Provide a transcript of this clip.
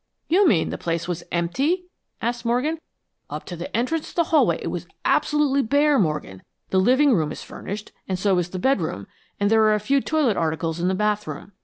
"You mean the place was empty?" asked Morgan. "Up to the entrance to the hallway it was absolutely bare, Morgan. The living room is furnished, and so is the bedroom; and there were a few toilet articles in the bathroom.